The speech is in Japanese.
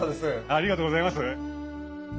ありがとうございます。